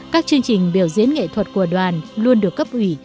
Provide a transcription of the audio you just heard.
các chương trình biểu diễn nghệ thuật của đoàn luôn được cấp ủy